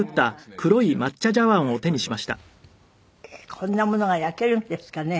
こんなものが焼けるんですかね。